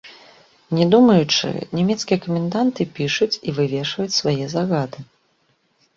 Не думаючы, нямецкія каменданты пішуць і вывешваюць свае загады.